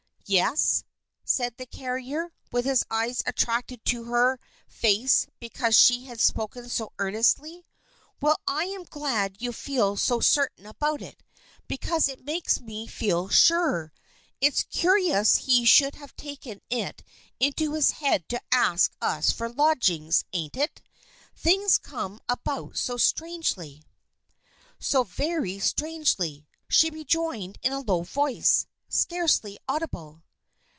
"Yes?" said the carrier, with his eyes attracted to her face because she had spoken so earnestly. "Well, I am glad you feel so certain about it, because it makes me feel surer. It's curious he should have taken it into his head to ask us for lodgings, ain't it? Things come about so strangely." "So very strangely," she rejoined in a low voice, scarcely audible.